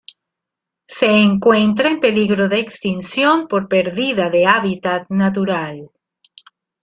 Se encuentra en peligro de extinción por perdida de hábitat natural.